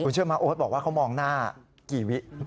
เชื่อมาโอ๊ตบอกว่าเขามองหน้ากี่วิ